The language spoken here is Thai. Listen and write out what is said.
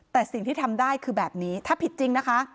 แต่สิ่งที่ทำได้คือแบบนี้ถ้าผิดจริงนะคะ